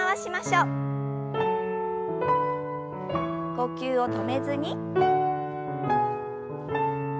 呼吸を止めずに。